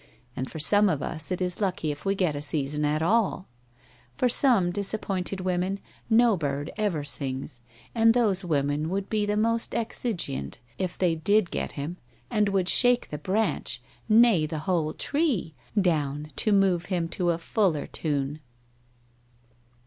And for some of us it is lucky if we get a season at all ! For some disappointed women, no bird ever sings, and those women would be the most cx'ujcante if they did get him, and would shake; the branch, nay, the whole tree, down to move him to a fuller tune!